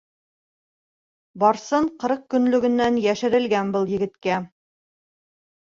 - Барсын ҡырҡ көнлөгөнән йәрәшелгән был егеткә.